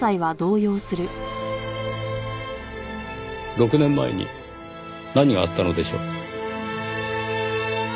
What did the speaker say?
６年前に何があったのでしょう？